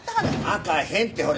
開かへんってほれ。